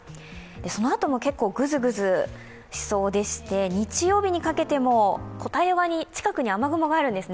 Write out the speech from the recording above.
そのあとも結構ぐずぐずしそうでして、日曜日にかけても太平洋側近くに雨雲があるんですね。